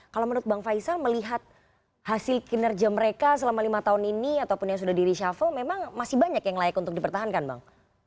kalau menurut bang faisal melihat hasil kinerja mereka selama lima tahun ini ataupun yang sudah di reshuffle memang masih banyak yang layak untuk dipertahankan bang